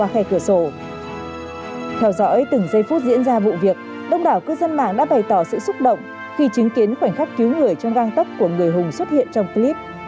theo dõi từng giây phút diễn ra vụ việc đông đảo cư dân mạng đã bày tỏ sự xúc động khi chứng kiến khoảnh khắc cứu người trong găng tấp của người hùng xuất hiện trong clip